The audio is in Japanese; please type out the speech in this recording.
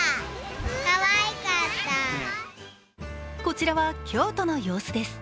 こちらは京都の様子です。